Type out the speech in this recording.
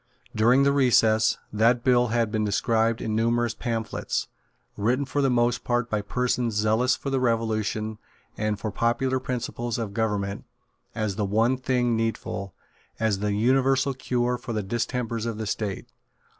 During the recess, that bill had been described in numerous pamphlets, written for the most part by persons zealous for the Revolution and for popular principles of government, as the one thing needful, as the universal cure for the distempers of the State.